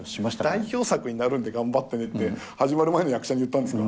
代表作になるので頑張ってねって始まる前の役者に言ったんですか？